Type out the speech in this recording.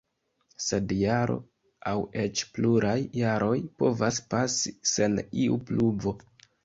Sed jaro, aŭ eĉ pluraj jaroj, povas pasi sen iu pluvo.